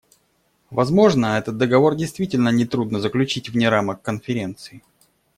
Возможно, этот договор действительно нетрудно заключить вне рамок Конференции.